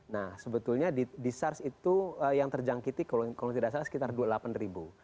nah sebetulnya di sars itu yang terjangkiti kalau tidak salah sekitar dua puluh delapan ribu